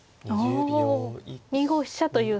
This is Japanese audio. あ２五飛車という手が。